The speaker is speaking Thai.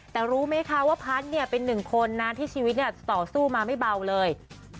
แต่รู้ไหมคะว่าพัฒน์เนี่ยเป็นหนึ่งคนนะที่ชีวิตจะต่อสู้มาไม่เบาเลย